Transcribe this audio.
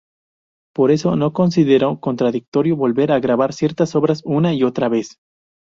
Por eso no considero contradictorio volver a grabar ciertas obras una y otra vez.